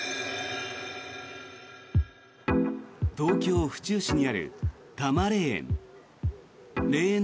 東京・府中市にある多磨霊園。